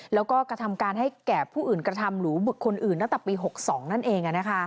แล้วก็กระทำการให้แก่ผู้อื่นกระทำหรือบุคคลอื่นตั้งแต่ปี๖๒นั่นเอง